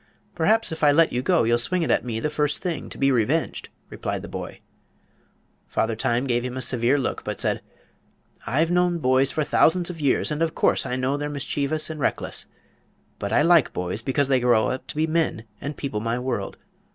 "Perhaps if I let you go you'll swing it at me the first thing, to be revenged," replied the boy. Father Time gave him a severe look, but said: "I've known boys for thousands of years, and of course I know they're mischievous and reckless. But I like boys, because they grow up to be men and people my world.